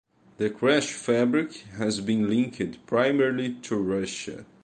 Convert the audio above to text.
The crash fabric has been linked primarily to Russia.